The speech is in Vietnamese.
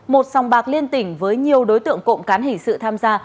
một sòng bạc liên tỉnh với nhiều đối tượng cộng cán hình sự tham gia